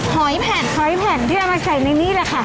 หอยแผ่นที่เรามาใส่ในนี้แหละค่ะ